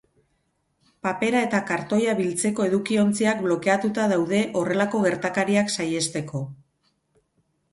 Papera eta kartoia biltzeko edukiontziak blokeatuta daude horrelako gertakariak saihesteko.